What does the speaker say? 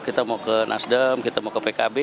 kita mau ke nasdem kita mau ke pkb